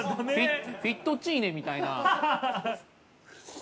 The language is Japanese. フィットチーネみたいな。